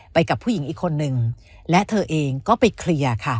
กับผู้หญิงอีกคนนึงและเธอเองก็ไปเคลียร์ค่ะ